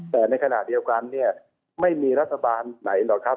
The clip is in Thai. แต่ในขณะเดียวกันเนี่ยไม่มีรัฐบาลไหนหรอกครับ